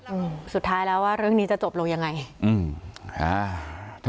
อืมสุดท้ายแล้วว่าเรื่องนี้จะจบลงยังไงอืมอ่า